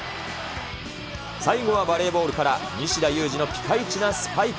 最後はバレーボールから、西田有志のピカイチなスパイク。